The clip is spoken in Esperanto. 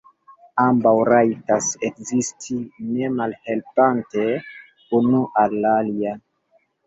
Ambaŭ rajtas ekzisti, ne malhelpante unu al la alia.